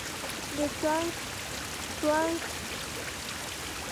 The transactional interpretation resolves this quantum paradox.